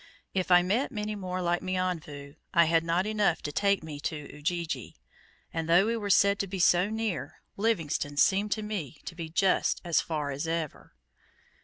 If I met many more like Mionvu I had not enough to take me to Ujiji, and, though we were said to be so near, Livingstone seemed to me to be just as far as ever.